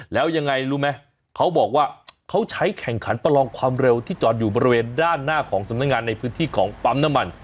แล้วยังไงรู้ไหมเขาบอกว่าเขาใช้แข่งขันประลองความเร็วที่จอดอยู่บริเวณด้านหน้าของสำนักงานในพื้นที่ของปั๊มน้ำมัน